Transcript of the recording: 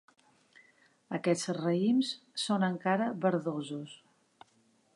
Aquests raïms són encara verdosos.